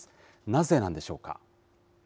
なぜなんでしょうか。